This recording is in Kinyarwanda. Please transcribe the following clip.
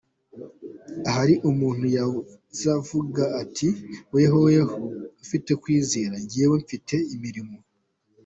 Ahari umuntu yazavuga ati: “wehoho ufite kwizera, jyeweho mfite imirimo.